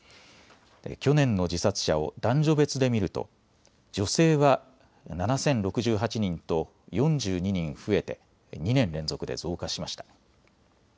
去年の自殺者を男女別で見ると女性は７０６８人と４２人増えて２年連続で増加しました。